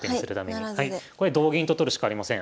これ同銀と取るしかありません。